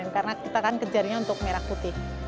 karena kita kan kejarinya untuk merah putih